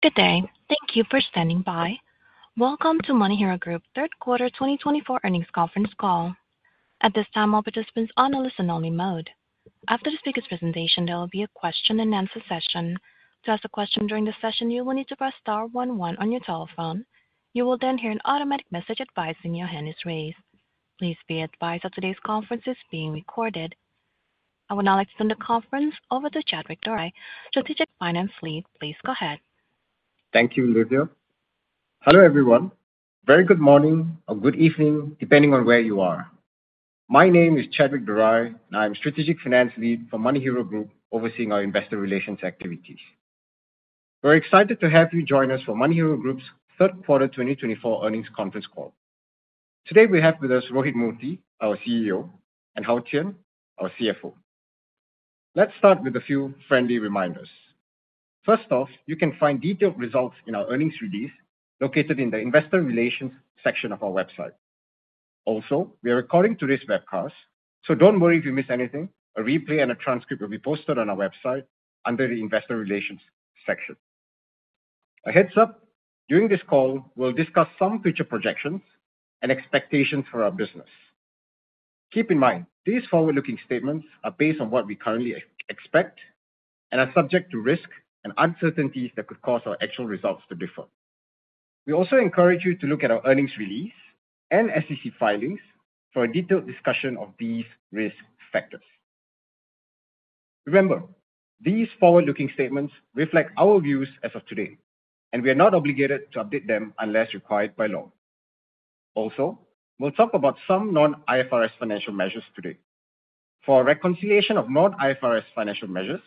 Good day. Thank you for standing by. Welcome to MoneyHero Group's third quarter 2024 earnings conference call. At this time, all participants are on a listen-only mode. After the speaker's presentation, there will be a question-and-answer session. To ask a question during the session, you will need to press star 11 on your telephone. You will then hear an automatic message advising your hand is raised. Please be advised that today's conference is being recorded. I would now like to turn the conference over to Chadwick Dorai, Strategic Finance Lead. Please go ahead. Thank you, Olivia. Hello, everyone. Very good morning or good evening, depending on where you are. My name is Chadwick Dorai, and I am Strategic Finance Lead for MoneyHero Group, overseeing our investor relations activities. We're excited to have you join us for MoneyHero Group's third quarter 2024 earnings conference call. Today, we have with us Rohit Murthy, our CEO, and Hao Qian, our CFO. Let's start with a few friendly reminders. First off, you can find detailed results in our earnings release located in the Investor Relations section of our website. Also, we are recording today's webcast, so don't worry if you miss anything. A replay and a transcript will be posted on our website under the Investor Relations section. A heads-up: during this call, we'll discuss some future projections and expectations for our business. Keep in mind, these forward-looking statements are based on what we currently expect and are subject to risk and uncertainties that could cause our actual results to differ. We also encourage you to look at our earnings release and SEC filings for a detailed discussion of these risk factors. Remember, these forward-looking statements reflect our views as of today, and we are not obligated to update them unless required by law. Also, we'll talk about some non-IFRS financial measures today. For reconciliation of non-IFRS financial measures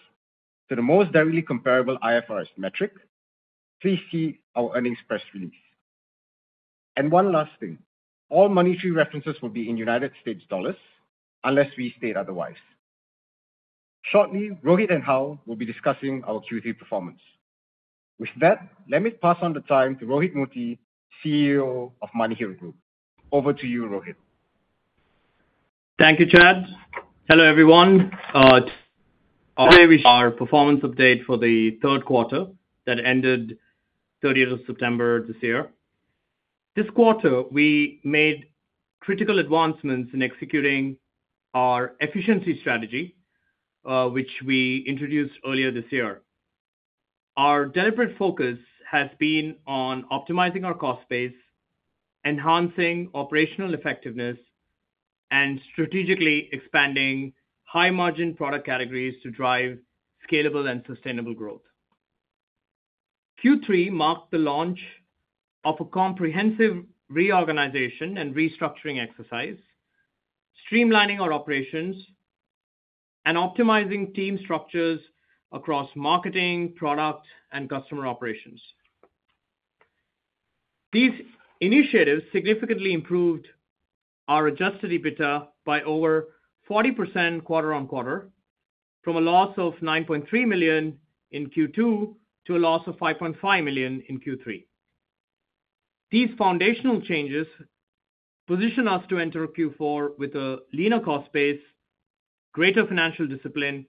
to the most directly comparable IFRS metric, please see our earnings press release. And one last thing: all monetary references will be in United States dollars unless we state otherwise. Shortly, Rohit and Hao will be discussing our Q3 performance. With that, let me pass on the time to Rohith Murthy, CEO of MoneyHero Group. Over to you, Rohit. Thank you, Chad. Hello, everyone. Today, we share our performance update for the third quarter that ended 30th of September this year. This quarter, we made critical advancements in executing our efficiency strategy, which we introduced earlier this year. Our deliberate focus has been on optimizing our cost base, enhancing operational effectiveness, and strategically expanding high-margin product categories to drive scalable and sustainable growth. Q3 marked the launch of a comprehensive reorganization and restructuring exercise, streamlining our operations and optimizing team structures across marketing, product, and customer operations. These initiatives significantly improved our Adjusted EBITDA by over 40% quarter on quarter, from a loss of $9.3 million in Q2 to a loss of $5.5 million in Q3. These foundational changes position us to enter Q4 with a leaner cost base, greater financial discipline,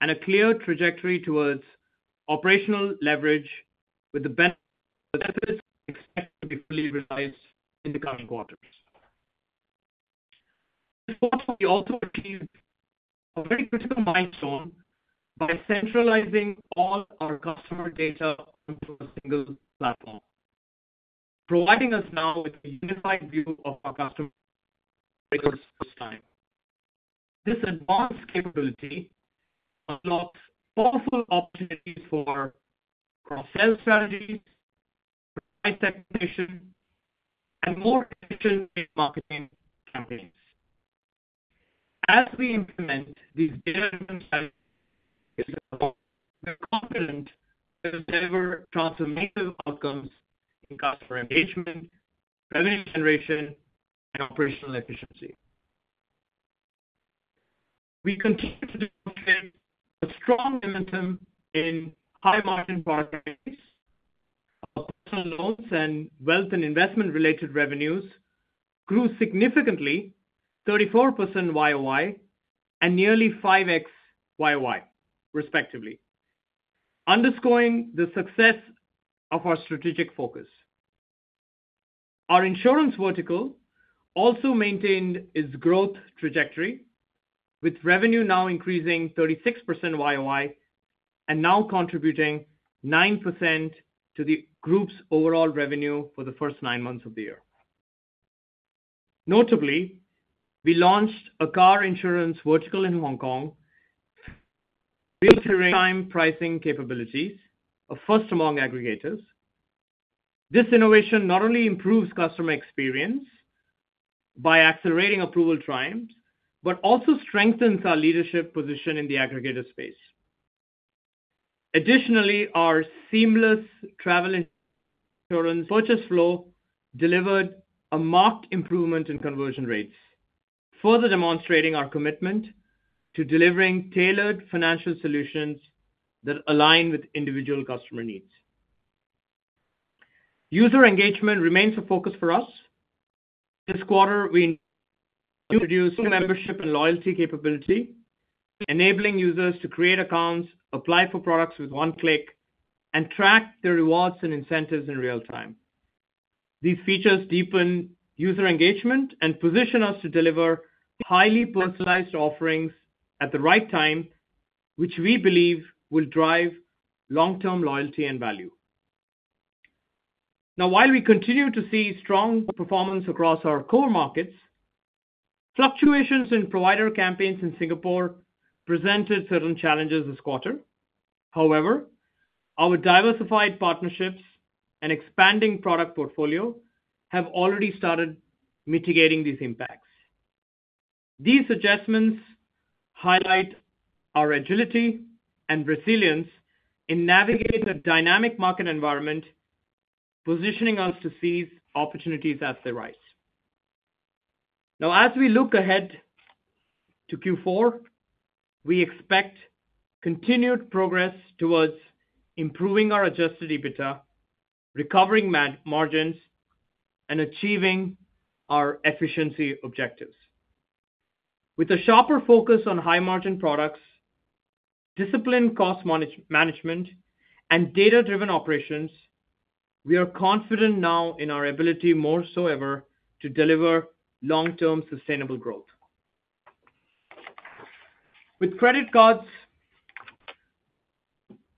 and a clear trajectory towards operational leverage, with the benefits expected to be fully realized in the coming quarters. This quarter, we also achieved a very critical milestone by centralizing all our customer data onto a single platform, providing us now with a unified view of our customer data at this time. This advanced capability unlocks powerful opportunities for cross-sales strategies, price definition, and more efficient marketing campaigns. As we implement these data-driven strategies, we're confident we'll deliver transformative outcomes in customer engagement, revenue generation, and operational efficiency. We continue to demonstrate a strong momentum in high-margin product ratings. Our personal loans and wealth and investment-related revenues grew significantly, 34% YOY and nearly 5X YOY, respectively, underscoring the success of our strategic focus. Our insurance vertical also maintained its growth trajectory, with revenue now increasing 36% YOY and now contributing 9% to the group's overall revenue for the first nine months of the year. Notably, we launched a car insurance vertical in Hong Kong, real-time pricing capabilities, a first among aggregators. This innovation not only improves customer experience by accelerating approval times but also strengthens our leadership position in the aggregator space. Additionally, our seamless travel insurance purchase flow delivered a marked improvement in conversion rates, further demonstrating our commitment to delivering tailored financial solutions that align with individual customer needs. User engagement remains a focus for us. This quarter, we introduced a new membership and loyalty capability, enabling users to create accounts, apply for products with one click, and track their rewards and incentives in real time. These features deepen user engagement and position us to deliver highly personalized offerings at the right time, which we believe will drive long-term loyalty and value. Now, while we continue to see strong performance across our core markets, fluctuations in provider campaigns in Singapore presented certain challenges this quarter. However, our diversified partnerships and expanding product portfolio have already started mitigating these impacts. These adjustments highlight our agility and resilience in navigating a dynamic market environment, positioning us to seize opportunities as they rise. Now, as we look ahead to Q4, we expect continued progress towards improving our Adjusted EBITDA, recovering margins, and achieving our efficiency objectives. With a sharper focus on high-margin products, disciplined cost management, and data-driven operations, we are confident now in our ability more than ever to deliver long-term sustainable growth. With credit cards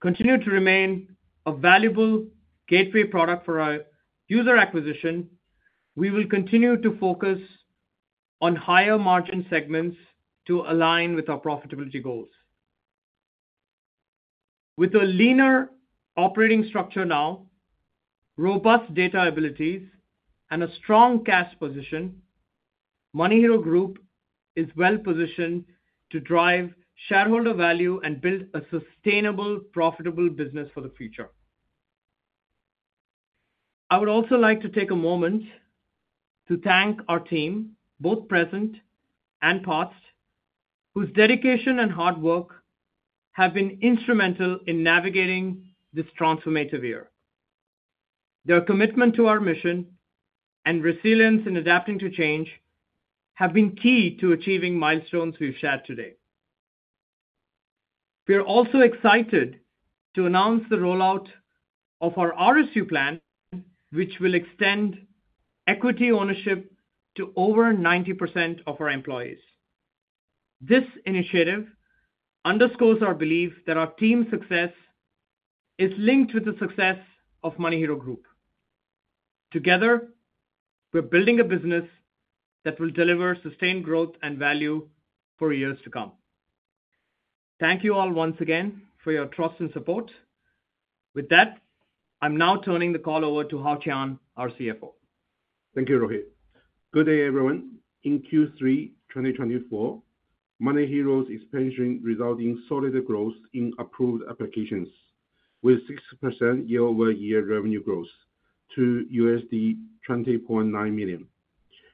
continuing to remain a valuable gateway product for our user acquisition, we will continue to focus on higher margin segments to align with our profitability goals. With a leaner operating structure now, robust data abilities, and a strong cash position, MoneyHero Group is well positioned to drive shareholder value and build a sustainable, profitable business for the future. I would also like to take a moment to thank our team, both present and past, whose dedication and hard work have been instrumental in navigating this transformative year. Their commitment to our mission and resilience in adapting to change have been key to achieving milestones we've shared today. We are also excited to announce the rollout of our RSU plan, which will extend equity ownership to over 90% of our employees. This initiative underscores our belief that our team's success is linked with the success of MoneyHero Group. Together, we're building a business that will deliver sustained growth and value for years to come. Thank you all once again for your trust and support. With that, I'm now turning the call over to Hao Qian, our CFO. Thank you, Rohit. Good day, everyone. In Q3 2024, MoneyHero's expansion resulted in solid growth in approved applications, with 6% year-over-year revenue growth to $20.9 million.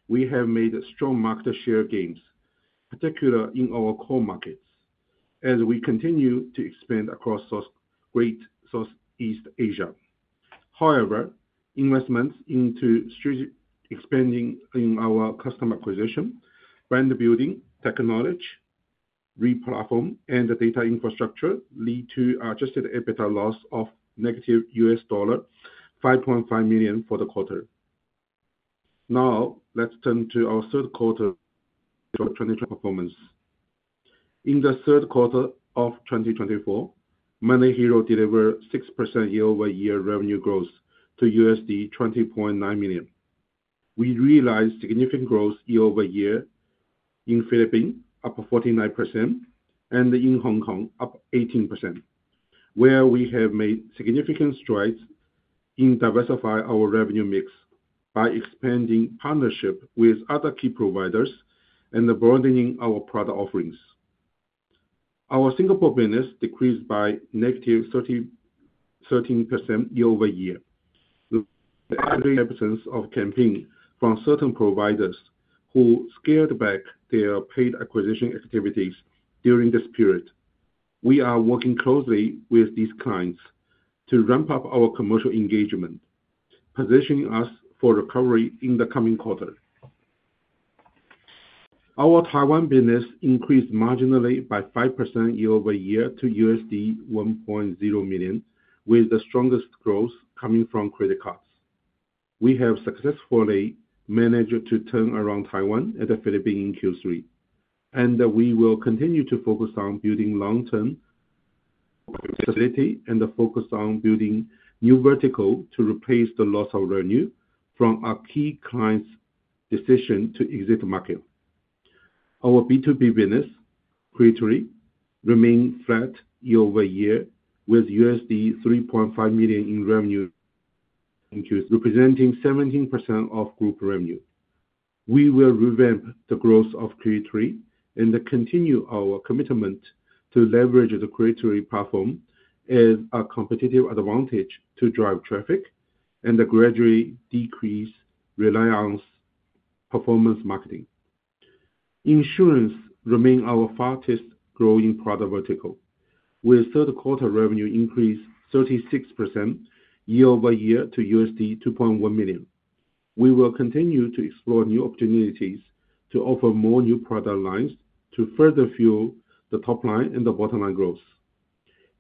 We have made strong market share gains, particularly in our core markets, as we continue to expand across Greater Southeast Asia. However, investments into strategic expanding in our customer acquisition, brand building, technology, re-platform, and data infrastructure led to Adjusted EBITDA loss of negative $5.5 million for the quarter. Now, let's turn to our third quarter performance. In the third quarter of 2024, MoneyHero delivered 6% year-over-year revenue growth to $20.9 million. We realized significant growth year-over-year in the Philippines, up 49%, and in Hong Kong, up 18%, where we have made significant strides in diversifying our revenue mix by expanding partnerships with other key providers and broadening our product offerings. Our Singapore business decreased by negative 13% year-over-year, with a higher presence of campaigns from certain providers who scaled back their paid acquisition activities during this period. We are working closely with these clients to ramp up our commercial engagement, positioning us for recovery in the coming quarter. Our Taiwan business increased marginally by 5% year-over-year to $1.0 million, with the strongest growth coming from credit cards. We have successfully managed to turn around Taiwan and the Philippines in Q3, and we will continue to focus on building long-term stability and focus on building new verticals to replace the loss of revenue from our key clients' decision to exit the market. Our B2B business, Q3, remained flat year-over-year, with $3.5 million in revenue in Q3, representing 17% of group revenue. We will revamp the growth of Q3 and continue our commitment to leverage the SEO platform as a competitive advantage to drive traffic and gradually decrease reliance performance marketing. Insurance remains our fastest-growing product vertical, with third-quarter revenue increasing 36% year-over-year to $2.1 million. We will continue to explore new opportunities to offer more new product lines to further fuel the top-line and the bottom-line growth.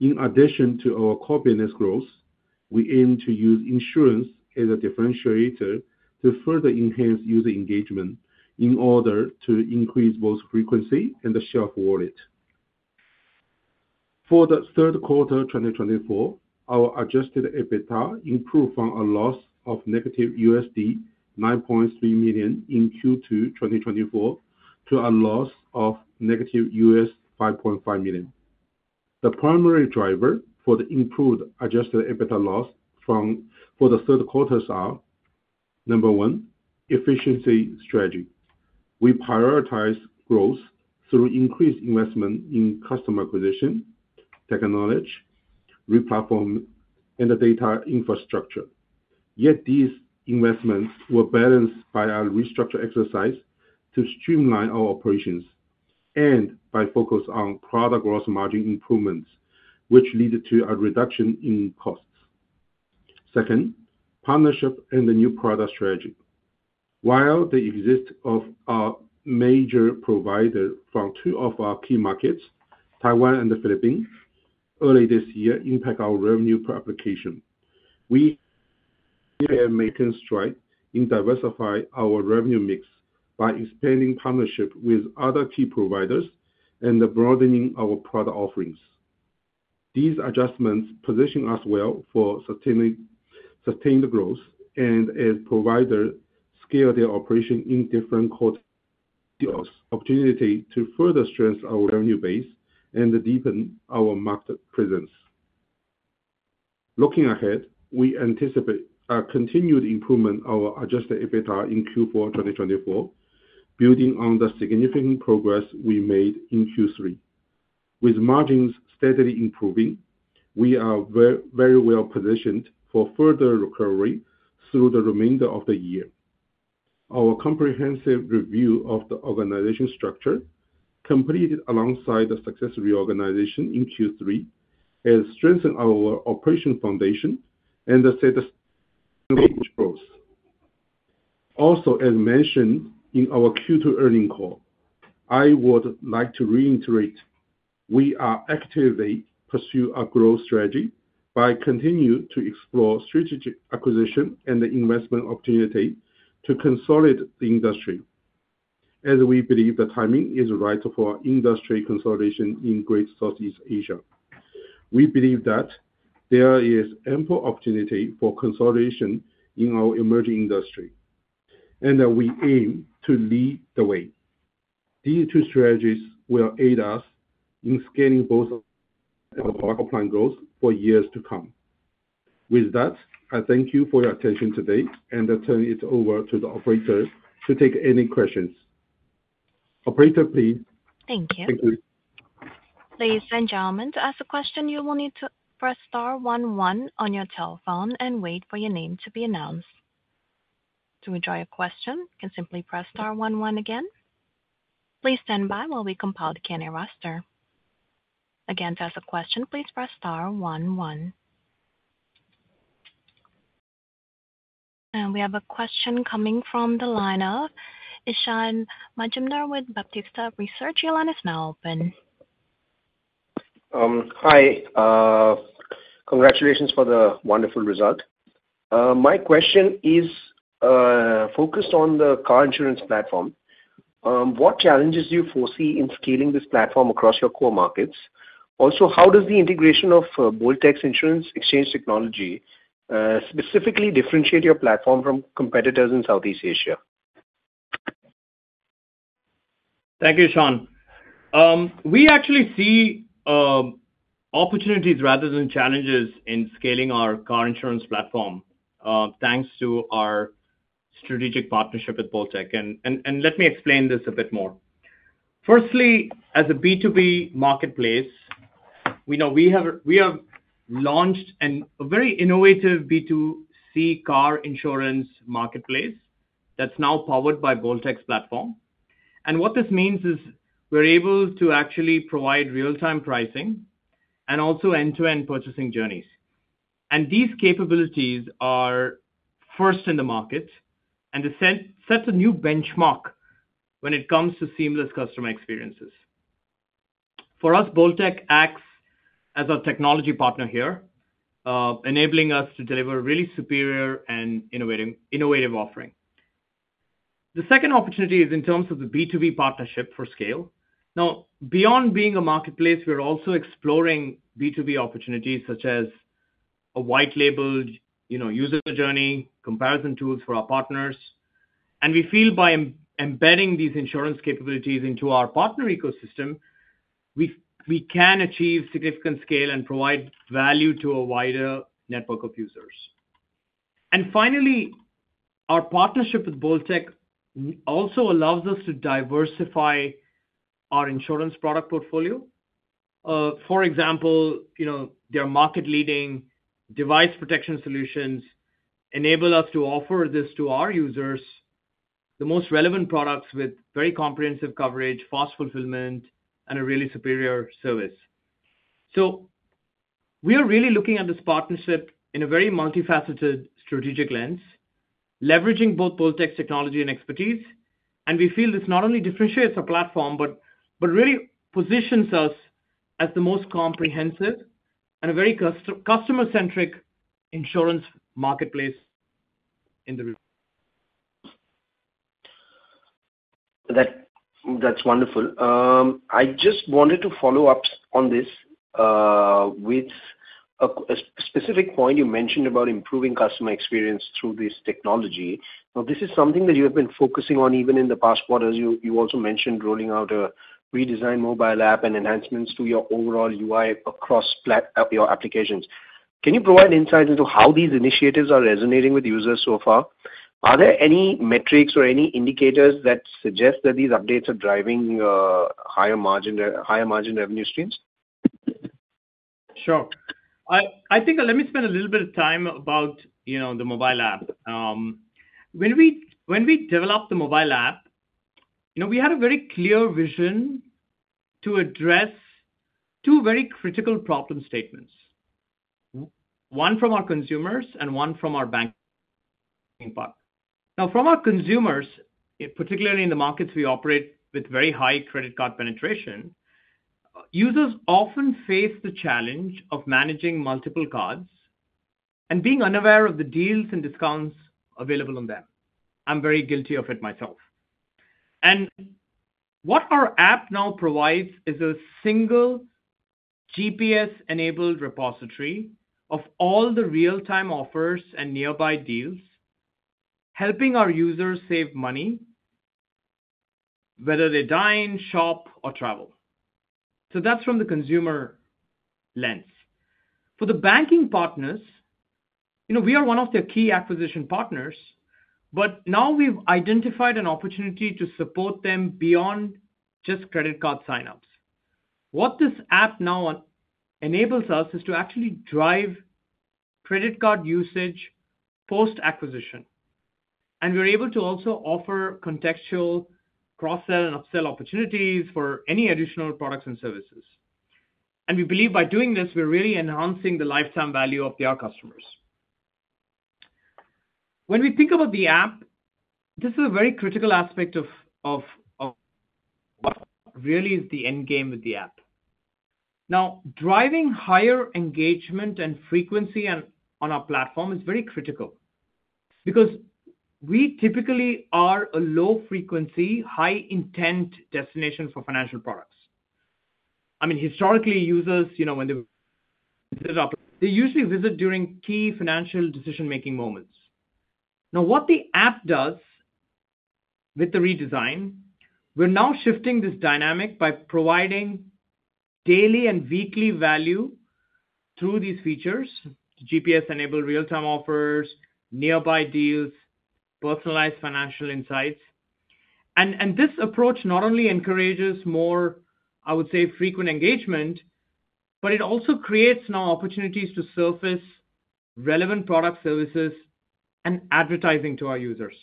In addition to our core business growth, we aim to use insurance as a differentiator to further enhance user engagement in order to increase both frequency and the share of wallet. For the third quarter 2024, our Adjusted EBITDA improved from a loss of negative $9.3 million in Q2 2024 to a loss of negative $5.5 million. The primary driver for the improved Adjusted EBITDA loss for the third quarter is, number one, efficiency strategy. We prioritize growth through increased investment in customer acquisition, technology, re-platform, and data infrastructure. Yet these investments were balanced by our restructure exercise to streamline our operations and by focus on product gross margin improvements, which led to a reduction in costs. Second, partnership and the new product strategy. While the exits of our major providers from two of our key markets, Taiwan and the Philippines, early this year impacted our revenue per application, we made a stride in diversifying our revenue mix by expanding partnerships with other key providers and broadening our product offerings. These adjustments position us well for sustained growth, and as providers scale their operations in different quarters, it gives us the opportunity to further strengthen our revenue base and deepen our market presence. Looking ahead, we anticipate a continued improvement of our Adjusted EBITDA in Q4 2024, building on the significant progress we made in Q3. With margins steadily improving, we are very well positioned for further recovery through the remainder of the year. Our comprehensive review of the organizational structure completed alongside the successful reorganization in Q3 has strengthened our operational foundation and the sustainable growth. Also, as mentioned in our Q2 earnings call, I would like to reiterate we are actively pursuing a growth strategy by continuing to explore strategic acquisition and investment opportunities to consolidate the industry, as we believe the timing is right for industry consolidation in Greater Southeast Asia. We believe that there is ample opportunity for consolidation in our emerging industry, and we aim to lead the way. These two strategies will aid us in scaling both of our online growth for years to come. With that, I thank you for your attention today and turn it over to the operator to take any questions. Operator, please. Thank you. Thank you. Ladies and gentlemen, to ask a question, you will need to press star 11 on your telephone and wait for your name to be announced. To withdraw your question, you can simply press star 11 again. Please stand by while we compile the candidate roster. Again, to ask a question, please press star 11. And we have a question coming from the line of Ishan Majumdar with Baptista Research. Your line is now open. Hi. Congratulations for the wonderful result. My question is focused on the car insurance platform. What challenges do you foresee in scaling this platform across your core markets? Also, how does the integration of Bolttech insurance exchange technology specifically differentiate your platform from competitors in Southeast Asia? Thank you, Ishaan. We actually see opportunities rather than challenges in scaling our car insurance platform, thanks to our strategic partnership with Bolttech. Let me explain this a bit more. Firstly, as a B2B marketplace, we have launched a very innovative B2C car insurance marketplace that's now powered by Bolttech platform. What this means is we're able to actually provide real-time pricing and also end-to-end purchasing journeys. These capabilities are first in the market and set a new benchmark when it comes to seamless customer experiences. For us, Bolttech acts as a technology partner here, enabling us to deliver a really superior and innovative offering. The second opportunity is in terms of the B2B partnership for scale. Now, beyond being a marketplace, we're also exploring B2B opportunities such as a white-labeled user journey comparison tools for our partners. And we feel by embedding these insurance capabilities into our partner ecosystem, we can achieve significant scale and provide value to a wider network of users. And finally, our partnership with Bolttech also allows us to diversify our insurance product portfolio. For example, their market-leading device protection solutions enable us to offer this to our users, the most relevant products with very comprehensive coverage, fast fulfillment, and a really superior service. So we are really looking at this partnership in a very multifaceted strategic lens, leveraging both Bolttech's technology and expertise. And we feel this not only differentiates our platform, but really positions us as the most comprehensive and a very customer-centric insurance marketplace in the region. That's wonderful. I just wanted to follow up on this with a specific point you mentioned about improving customer experience through this technology. Now, this is something that you have been focusing on even in the past quarters. You also mentioned rolling out a redesigned mobile app and enhancements to your overall UI across your applications. Can you provide insight into how these initiatives are resonating with users so far? Are there any metrics or any indicators that suggest that these updates are driving higher margin revenue streams? Sure. I think let me spend a little bit of time about the mobile app. When we developed the mobile app, we had a very clear vision to address two very critical problem statements, one from our consumers and one from our banking partners. Now, from our consumers, particularly in the markets we operate with very high credit card penetration, users often face the challenge of managing multiple cards and being unaware of the deals and discounts available on them. I'm very guilty of it myself. And what our app now provides is a single GPS-enabled repository of all the real-time offers and nearby deals, helping our users save money, whether they're dining, shopping, or traveling. So that's from the consumer lens. For the banking partners, we are one of their key acquisition partners, but now we've identified an opportunity to support them beyond just credit card signups. What this app now enables us is to actually drive credit card usage post-acquisition. And we're able to also offer contextual cross-sell and upsell opportunities for any additional products and services. And we believe by doing this, we're really enhancing the lifetime value of our customers. When we think about the app, this is a very critical aspect of what really is the end game with the app. Now, driving higher engagement and frequency on our platform is very critical because we typically are a low-frequency, high-intent destination for financial products. I mean, historically, users, when they visit our platform, they usually visit during key financial decision-making moments. Now, what the app does with the redesign, we're now shifting this dynamic by providing daily and weekly value through these features: GPS-enabled real-time offers, nearby deals, personalized financial insights. This approach not only encourages more, I would say, frequent engagement, but it also creates new opportunities to surface relevant product services and advertising to our users.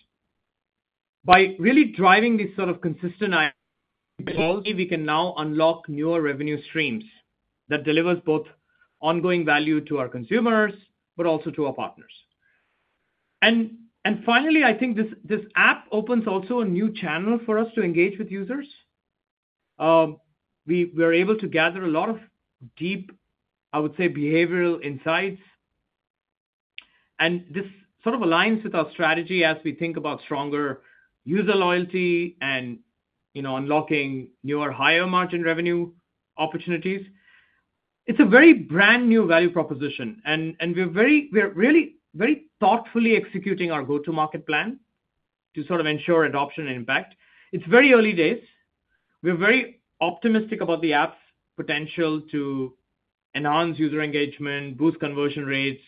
By really driving this sort of consistent ideology, we can now unlock newer revenue streams that deliver both ongoing value to our consumers, but also to our partners. Finally, I think this app opens also a new channel for us to engage with users. We were able to gather a lot of deep, I would say, behavioral insights. This sort of aligns with our strategy as we think about stronger user loyalty and unlocking newer higher-margin revenue opportunities. It's a very brand-new value proposition. We're really very thoughtfully executing our go-to-market plan to sort of ensure adoption and impact. It's very early days. We're very optimistic about the app's potential to enhance user engagement, boost conversion rates,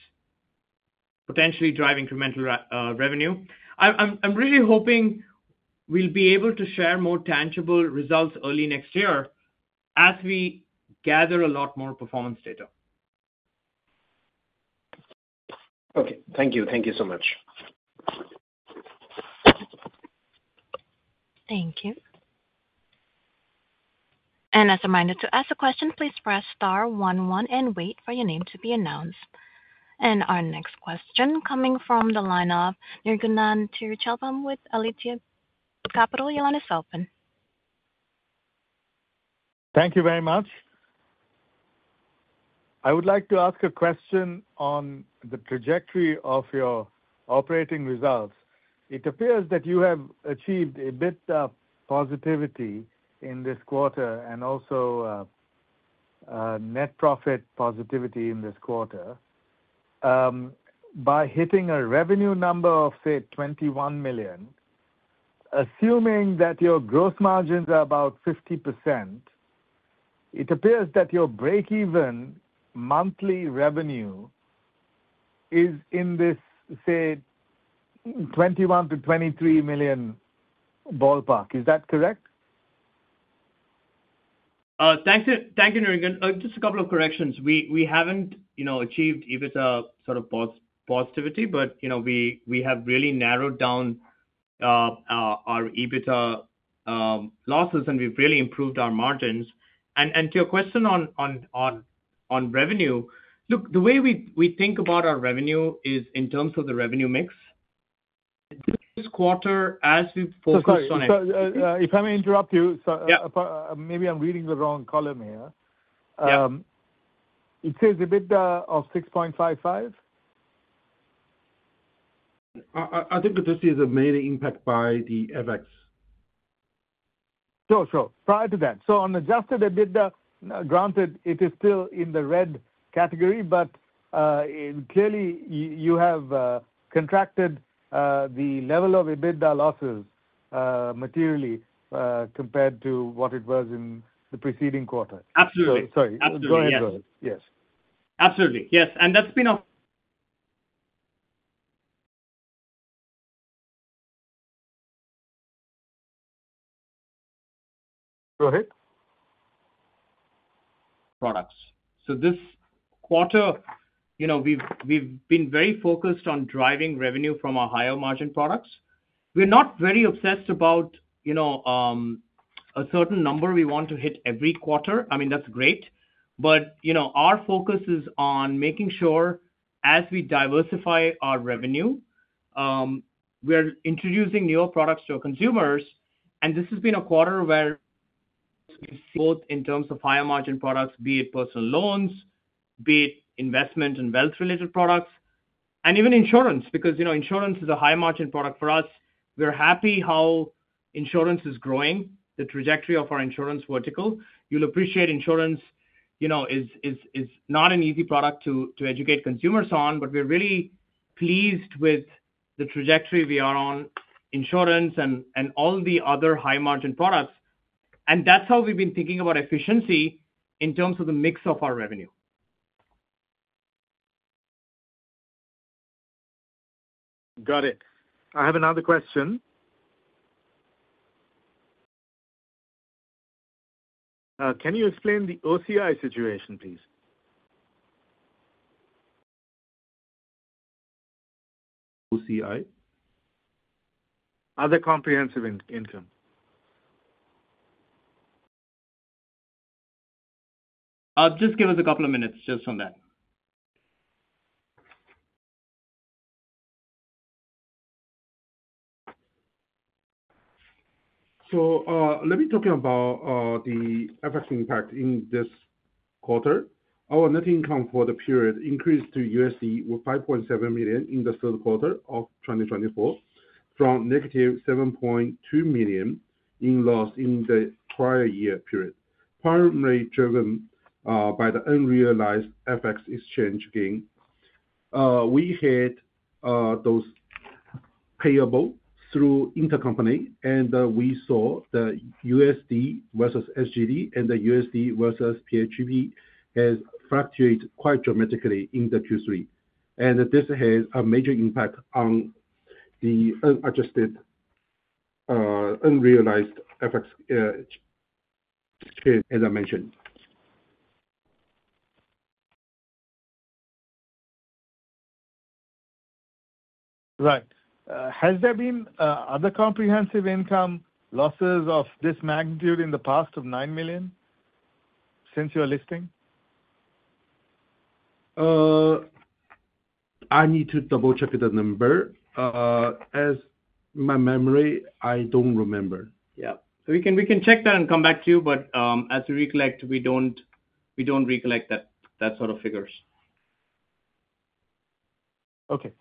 potentially drive incremental revenue. I'm really hoping we'll be able to share more tangible results early next year as we gather a lot more performance data. Okay. Thank you. Thank you so much. Thank you. As a reminder, to ask a question, please press star 11 and wait for your name to be announced. Our next question coming from the line of Nirgunan Tiruchelvam with Aletheia Capital. Your line is open. Thank you very much. I would like to ask a question on the trajectory of your operating results. It appears that you have achieved a bit of positivity in this quarter and also net profit positivity in this quarter by hitting a revenue number of, say, $21 million. Assuming that your gross margins are about 50%, it appears that your break-even monthly revenue is in this, say, $21 million-$23 million ballpark. Is that correct? Thank you, Nirgunan. Just a couple of corrections. We haven't achieved EBITDA sort of positivity, but we have really narrowed down our EBITDA losses, and we've really improved our margins. And to your question on revenue, look, the way we think about our revenue is in terms of the revenue mix. This quarter, as we focus on. Sorry, if I may interrupt you, maybe I'm reading the wrong column here. It says EBITDA of 6.55? I think this is the main impact by the FX. Sure, sure. Prior to that, so on Adjusted EBITDA, granted, it is still in the red category, but clearly, you have contracted the level of EBITDA losses materially compared to what it was in the preceding quarter. Absolutely. Sorry. Go ahead, Rose. Yes. Absolutely. Yes. And that's been our. Go ahead. Products. So this quarter, we've been very focused on driving revenue from our higher-margin products. We're not very obsessed about a certain number we want to hit every quarter. I mean, that's great. But our focus is on making sure as we diversify our revenue, we're introducing newer products to our consumers. And this has been a quarter where we've seen both in terms of higher-margin products, be it personal loans, be it investment and wealth-related products, and even insurance because insurance is a high-margin product for us. We're happy how insurance is growing, the trajectory of our insurance vertical. You'll appreciate insurance is not an easy product to educate consumers on, but we're really pleased with the trajectory we are on insurance and all the other high-margin products. And that's how we've been thinking about efficiency in terms of the mix of our revenue. Got it. I have another question. Can you explain the OCI situation, please? OCI? Other Comprehensive Income. Just give us a couple of minutes just on that. Let me talk about the FX impact in this quarter. Our net income for the period increased to $5.7 million in the third quarter of 2024 from -$7.2 million in loss in the prior year period, primarily driven by the unrealized FX exchange gain. We had those payable through intercompany. And we saw the USD versus SGD and the USD versus PHP has fluctuated quite dramatically in the Q3. And this has a major impact on the unadjusted, unrealized FX exchange, as I mentioned. Right. Has there been other comprehensive income losses of this magnitude in the past of $9 million since your listing? I need to double-check the number. As my memory, I don't remember. Yeah. We can check that and come back to you, but as we recollect, we don't recollect that sort of figures. Okay.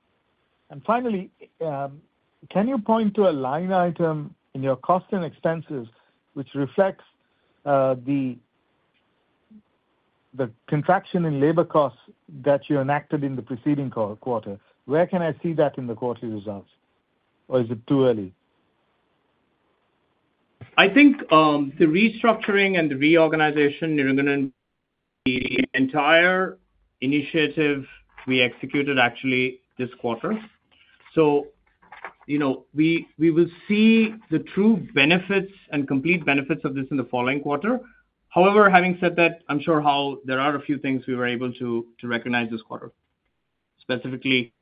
And finally, can you point to a line item in your cost and expenses which reflects the contraction in labor costs that you enacted in the preceding quarter? Where can I see that in the quarterly results? Or is it too early? I think the restructuring and the reorganization, Nirgunan, the entire initiative we executed actually this quarter, so we will see the true benefits and complete benefits of this in the following quarter. However, having said that, I'm sure there are a few things we were able to recognize this quarter. Specifically,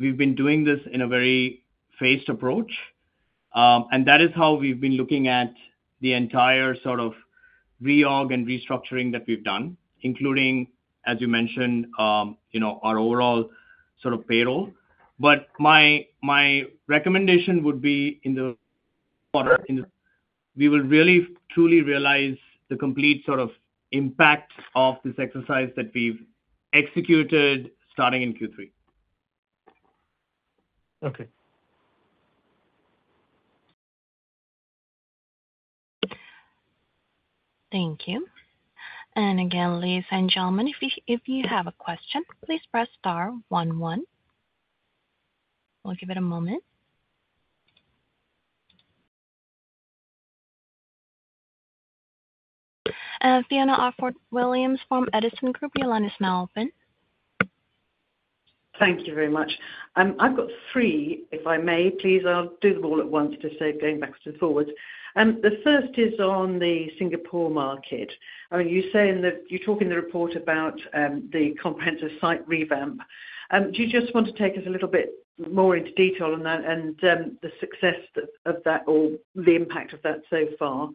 we've been doing this in a very phased approach, and that is how we've been looking at the entire sort of reorg and restructuring that we've done, including, as you mentioned, our overall sort of payroll, but my recommendation would be in the quarter, we will really truly realize the complete sort of impact of this exercise that we've executed starting in Q3. Okay. Thank you. And again, ladies and gentlemen, if you have a question, please press star 11. We'll give it a moment. Fiona Orford-Williams from Edison Group, your line is now open. Thank you very much. I've got three, if I may. Please, I'll do them all at once to save going backwards and forwards. The first is on the Singapore market. I mean, you're talking in the report about the comprehensive site revamp. Do you just want to take us a little bit more into detail on that and the success of that or the impact of that so far?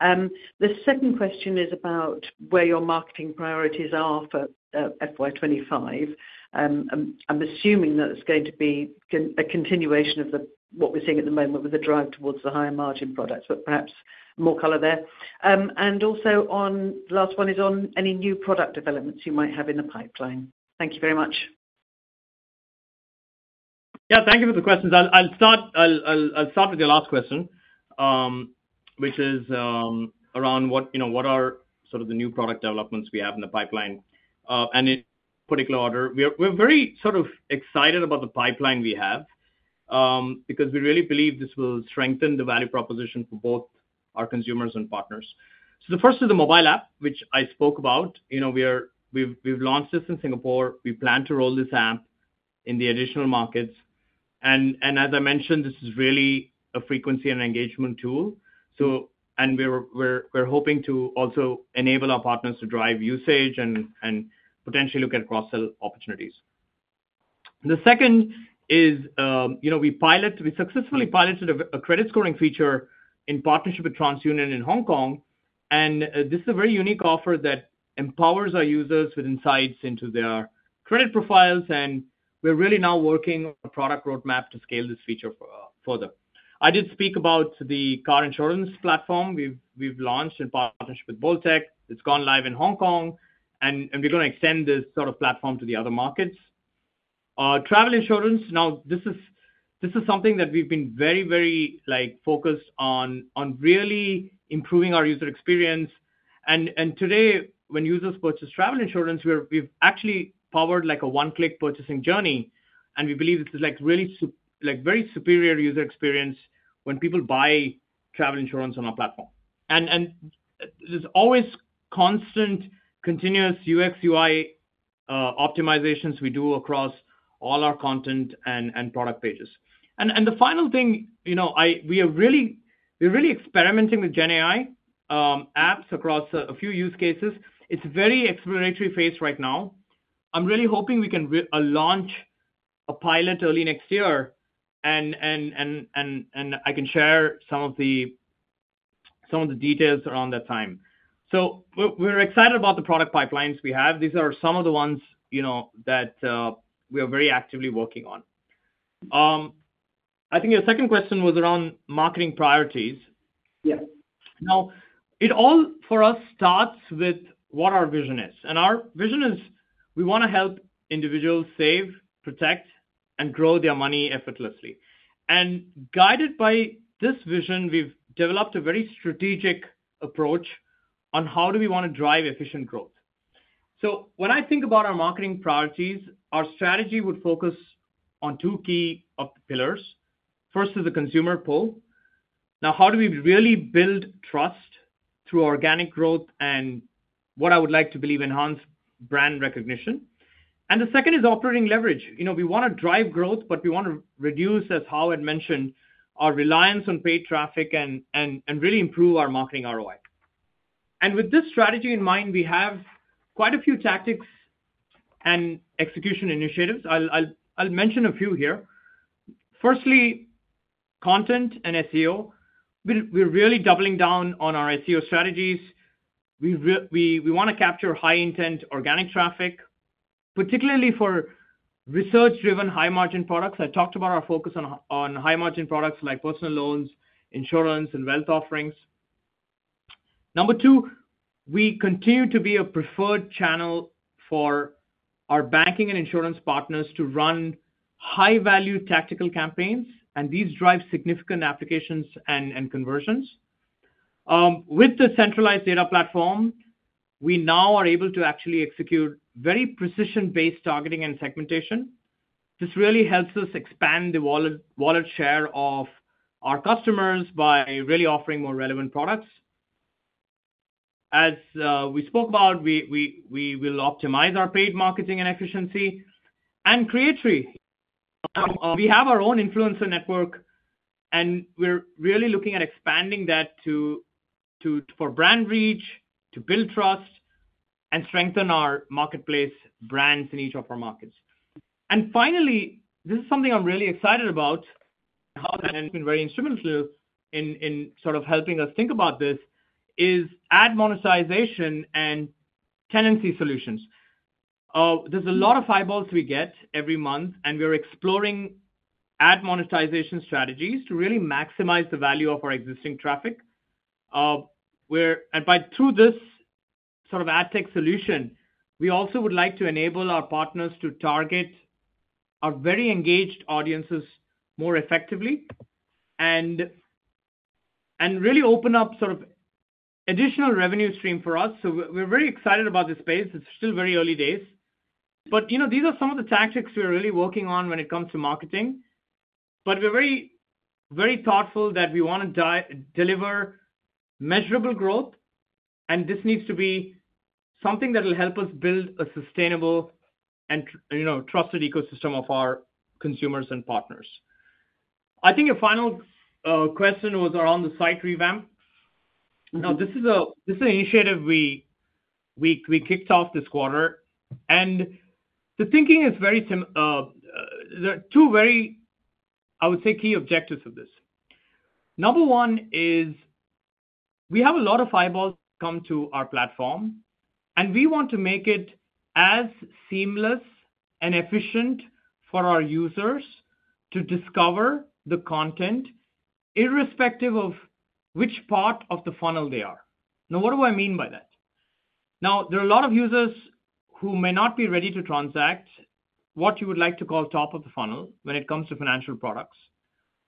The second question is about where your marketing priorities are for FY25. I'm assuming that it's going to be a continuation of what we're seeing at the moment with the drive towards the higher-margin products, but perhaps more color there. And also, the last one is on any new product developments you might have in the pipeline. Thank you very much. Yeah. Thank you for the questions. I'll start with your last question, which is around what are sort of the new product developments we have in the pipeline. And in no particular order, we're very sort of excited about the pipeline we have because we really believe this will strengthen the value proposition for both our consumers and partners. So the first is the mobile app, which I spoke about. We've launched this in Singapore. We plan to roll this out in the additional markets. And as I mentioned, this is really a frequency and engagement tool. And we're hoping to also enable our partners to drive usage and potentially look at cross-sell opportunities. The second is we successfully piloted a credit scoring feature in partnership with TransUnion in Hong Kong. And this is a very unique offer that empowers our users with insights into their credit profiles. We're really now working on a product roadmap to scale this feature further. I did speak about the car insurance platform we've launched in partnership with Bolttech. It's gone live in Hong Kong. We're going to extend this sort of platform to the other markets. Travel insurance, now, this is something that we've been very, very focused on really improving our user experience. Today, when users purchase travel insurance, we've actually powered a one-click purchasing journey. We believe this is a very superior user experience when people buy travel insurance on our platform. There's always constant, continuous UX/UI optimizations we do across all our content and product pages. The final thing, we are really experimenting with GenAI apps across a few use cases. It's a very exploratory phase right now. I'm really hoping we can launch a pilot early next year, and I can share some of the details around that time. So we're excited about the product pipelines we have. These are some of the ones that we are very actively working on. I think your second question was around marketing priorities. Now, it all for us starts with what our vision is. And our vision is we want to help individuals save, protect, and grow their money effortlessly. And guided by this vision, we've developed a very strategic approach on how do we want to drive efficient growth. So when I think about our marketing priorities, our strategy would focus on two key pillars. First is the consumer pull. Now, how do we really build trust through organic growth and what I would like to believe enhance brand recognition? And the second is operating leverage. We want to drive growth, but we want to reduce, as Hao Qian mentioned, our reliance on paid traffic and really improve our marketing ROI, and with this strategy in mind, we have quite a few tactics and execution initiatives. I'll mention a few here. Firstly, content and SEO. We're really doubling down on our SEO strategies. We want to capture high-intent organic traffic, particularly for research-driven high-margin products. I talked about our focus on high-margin products like personal loans, insurance, and wealth offerings. Number two, we continue to be a preferred channel for our banking and insurance partners to run high-value tactical campaigns, and these drive significant applications and conversions. With the centralized data platform, we now are able to actually execute very precision-based targeting and segmentation. This really helps us expand the wallet share of our customers by really offering more relevant products. As we spoke about, we will optimize our paid marketing and efficiency, and Creatory, we have our own influencer network, and we're really looking at expanding that for brand reach, to build trust, and strengthen our marketplace brands in each of our markets, and finally, this is something I'm really excited about, and Hao Qian has been very instrumental in sort of helping us think about this, is ad monetization and tenancy solutions. There's a lot of eyeballs we get every month, and we're exploring ad monetization strategies to really maximize the value of our existing traffic. And through this sort of ad tech solution, we also would like to enable our partners to target our very engaged audiences more effectively and really open up sort of additional revenue stream for us, so we're very excited about this space. It's still very early days. But these are some of the tactics we're really working on when it comes to marketing. But we're very thoughtful that we want to deliver measurable growth, and this needs to be something that will help us build a sustainable and trusted ecosystem of our consumers and partners. I think your final question was around the site revamp. Now, this is an initiative we kicked off this quarter. And the thinking is very simple. There are two very, I would say, key objectives of this. Number one is we have a lot of eyeballs come to our platform, and we want to make it as seamless and efficient for our users to discover the content, irrespective of which part of the funnel they are. Now, what do I mean by that? Now, there are a lot of users who may not be ready to transact what you would like to call top of the funnel when it comes to financial products.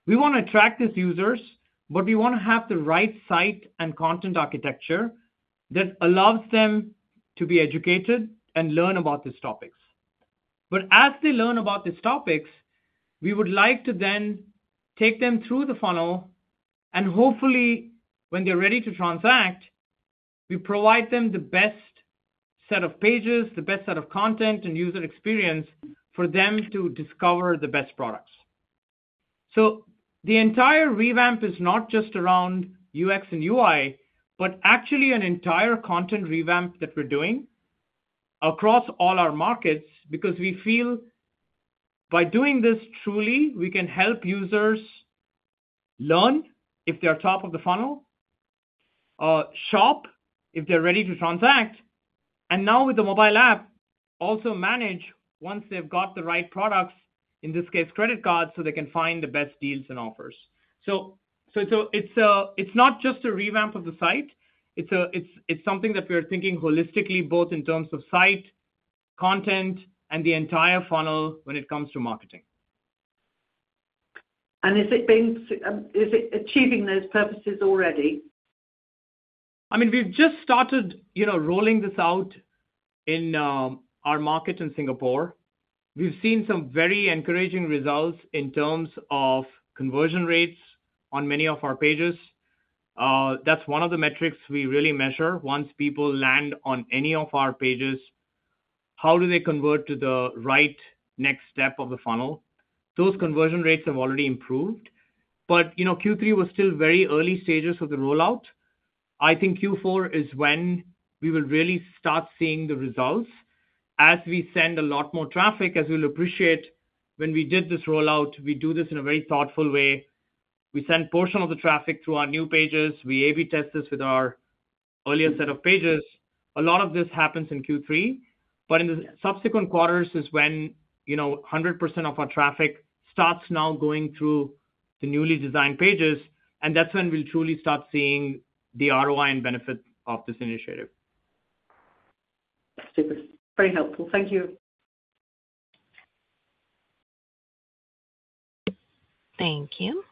We want to attract these users, but we want to have the right site and content architecture that allows them to be educated and learn about these topics. But as they learn about these topics, we would like to then take them through the funnel. And hopefully, when they're ready to transact, we provide them the best set of pages, the best set of content, and user experience for them to discover the best products. So the entire revamp is not just around UX and UI, but actually an entire content revamp that we're doing across all our markets because we feel by doing this truly, we can help users learn if they're top of the funnel, shop if they're ready to transact, and now with the mobile app, also manage once they've got the right products, in this case, credit cards, so they can find the best deals and offers. So it's not just a revamp of the site. It's something that we're thinking holistically, both in terms of site, content, and the entire funnel when it comes to marketing. Is it achieving those purposes already? I mean, we've just started rolling this out in our market in Singapore. We've seen some very encouraging results in terms of conversion rates on many of our pages. That's one of the metrics we really measure. Once people land on any of our pages, how do they convert to the right next step of the funnel? Those conversion rates have already improved. But Q3 was still very early stages of the rollout. I think Q4 is when we will really start seeing the results. As we send a lot more traffic, as we'll appreciate when we did this rollout, we do this in a very thoughtful way. We send a portion of the traffic through our new pages. We A/B test this with our earlier set of pages. A lot of this happens in Q3. But in the subsequent quarters is when 100% of our traffic starts now going through the newly designed pages. And that's when we'll truly start seeing the ROI and benefit of this initiative. That's super. Very helpful. Thank you. Thank you.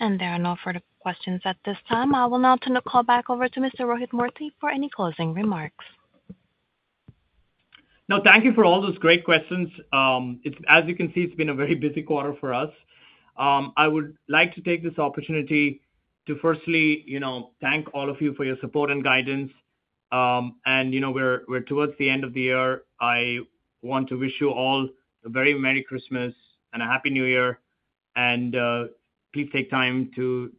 And there are no further questions at this time. I will now turn the call back over to Mr. Rohith Murthy for any closing remarks. No, thank you for all those great questions. As you can see, it's been a very busy quarter for us. I would like to take this opportunity to firstly thank all of you for your support and guidance, and we're towards the end of the year. I want to wish you all a very Merry Christmas and a Happy New Year, and please take time to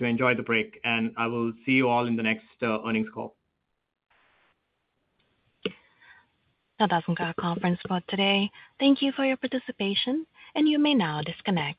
enjoy the break, and I will see you all in the next earnings call. That concludes the conference for today. Thank you for your participation, and you may now disconnect.